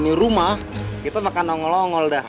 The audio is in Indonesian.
di rumah kita makan ongol ongol dah